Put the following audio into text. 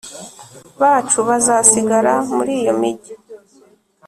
Bacu bazasigara muri iyo migi